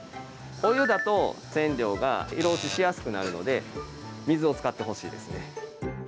お湯だと染料が色落ちしやすくなるので水を使ってほしいですね。